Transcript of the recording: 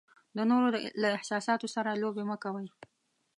د نورو له احساساتو سره لوبې مه کوئ.